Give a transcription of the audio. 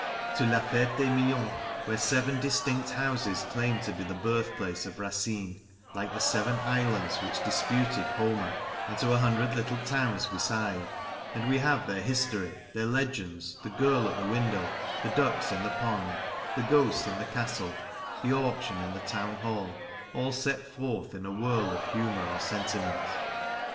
to la Ferte Milon, where seven distinct houses claim to be the birthplace of Racine, like the seven islands which disputed Homer, and to a hundred little towns beside and we have their history, their legends, the girl at the window, the ducks in the pond, the ghosts in the castle, the auction in the town hall, all set forth in a whirl of humour or sentiment.